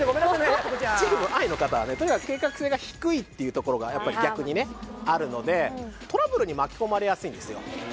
やす子ちゃんチームＩの方はねとにかく計画性が低いっていうところがやっぱり逆にねあるのでトラブルに巻き込まれやすいんですよ